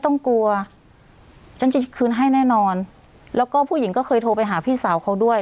ต้องกลัวฉันจะคืนให้แน่นอนแล้วก็ผู้หญิงก็เคยโทรไปหาพี่สาวเขาด้วย